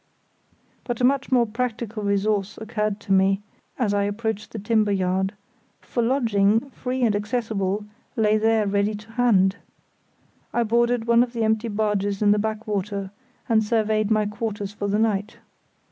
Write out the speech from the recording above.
But a much more practical resource occurred to me as I approached the timber yard; for lodging, free and accessible, lay there ready to hand. I boarded one of the empty barges in the backwater, and surveyed my quarters for the night.